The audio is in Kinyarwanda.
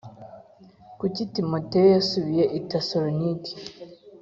Kuki timoteyo yasubiye i tesalonike